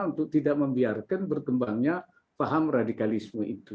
untuk tidak membiarkan berkembangnya paham radikalisme itu